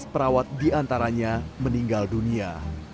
sembilan belas perawat di antaranya meninggal dunia